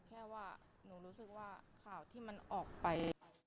แค่ว่าหนูรู้สึกว่าข่าวที่มันออกไป